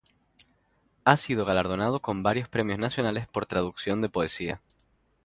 Ha sido galardonado con varios premios nacionales por traducción de poesía.